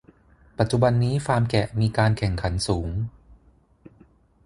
ปัจจุบันนี้ฟาร์มแกะมีการแข่งขันสูง